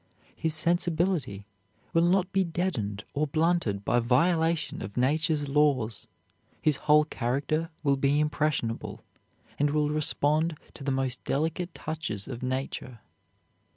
His sensibility will not be deadened or blunted by violation of Nature's laws. His whole character will be impressionable, and will respond to the most delicate touches of Nature.